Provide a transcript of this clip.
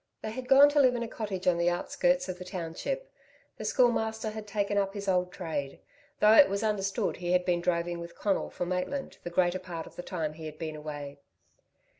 They had gone to live in a cottage on the outskirts of the township. The Schoolmaster had taken up his old trade, though it was understood he had been droving with Conal for Maitland the greater part of the time he had been away.